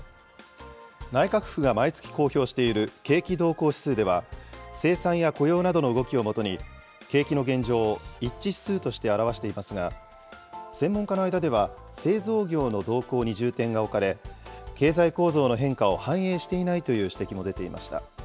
内閣府が毎月公表している景気動向指数では、生産や雇用などの動きを基に、景気の現状を一致指数として表していますが、専門家の間では、製造業の動向に重点が置かれ、経済構造の変化を反映していないという指摘も出ていました。